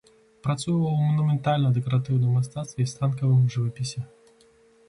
Працуе ў манументальна-дэкаратыўным мастацтве і станковым жывапісе.